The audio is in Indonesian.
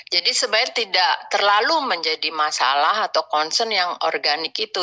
jadi sebenarnya tidak terlalu menjadi masalah atau concern yang organik itu